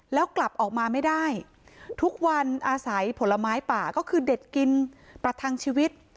แล้วกลับออกมาไม่ได้ทุกวันอาศัยผลไม้ป่าก็คือเด็ดกินประทังชีวิต